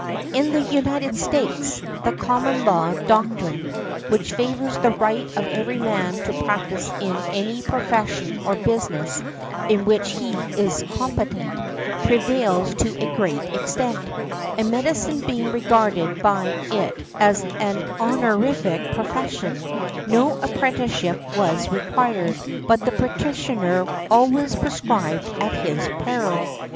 In the United States, the common law doctrine, which favours the right of every man to practise in any profession or business in which he is competent, prevails to a great extent; and medicine being regarded by it as an honorific profession, no apprenticeship was required, but the practitioner always prescribed at his peril.